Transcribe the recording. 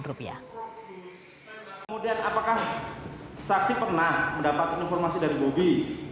kemudian apakah saksi pernah mendapatkan informasi dari bobi